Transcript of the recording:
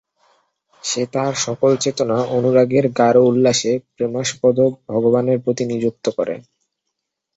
সে তাহার সকল চেতনা অনুরাগের গাঢ় উল্লাসে প্রেমাস্পদ ভগবানের প্রতি নিযুক্ত করে।